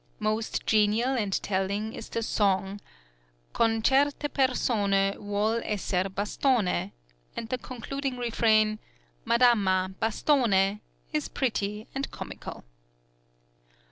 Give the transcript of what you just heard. Most genial and telling is the song(13) Con certe persone Vuol esser bastone {NINETTA SOLO SONGS.} (83) and the concluding refrain "Madama, bastone!" is pretty and comical.